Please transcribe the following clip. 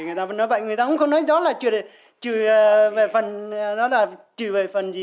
người ta vẫn nói vậy người ta cũng không nói rõ là trừ về phần gì